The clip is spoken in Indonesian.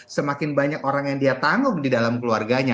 semakin banyak orang yang dia tanggung di dalam keluarganya